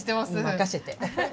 任せて！